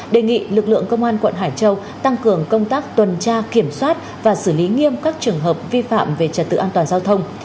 đề nghị lực lượng công an quận hải châu tăng cường công tác tuần tra kiểm soát và xử lý nghiêm các trường hợp vi phạm về trật tự an toàn giao thông